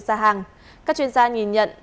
các chuyên gia nhìn nhận